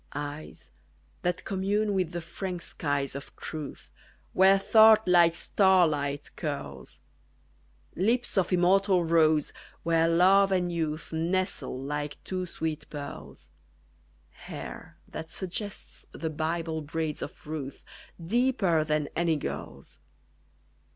Eyes, that commune with the frank skies of truth, Where thought like starlight curls; Lips of immortal rose, where love and youth Nestle like two sweet pearls; Hair, that suggests the Bible braids of RUTH, Deeper than any girl's.